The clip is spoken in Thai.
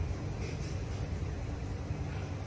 สวัสดีครับ